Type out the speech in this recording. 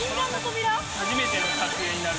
初めての撮影になる。